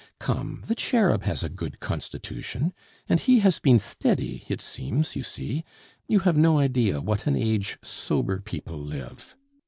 Come! the cherub has a good constitution. And he has been steady, it seems, you see; you have no idea what an age sober people live.